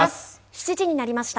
７時になりました。